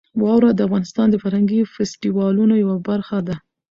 واوره د افغانستان د فرهنګي فستیوالونو یوه برخه ده.